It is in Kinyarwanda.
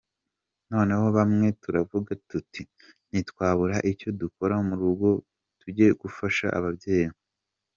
Noneho bamwe turavuga tuti ntitwabura icyo dukora mu rugo tujye gufasha ababyeyi.